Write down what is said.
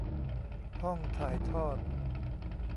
ห้องถ่ายทอด